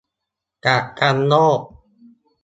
กักกันโรค